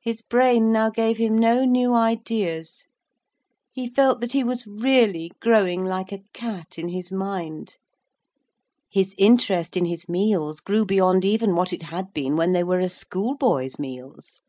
His brain now gave him no new ideas. He felt that he was really growing like a cat in his mind. His interest in his meals grew beyond even what it had been when they were a schoolboy's meals.